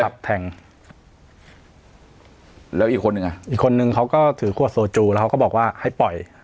แทงแล้วอีกคนหนึ่งอ่ะอีกคนนึงเขาก็ถือขวดโซจูแล้วเขาก็บอกว่าให้ปล่อย